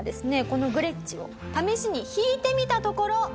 このグレッチを試しに弾いてみたところ。